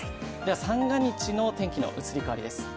三が日の天気の移り変わりです。